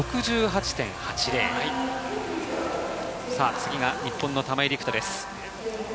次が日本の玉井陸斗です。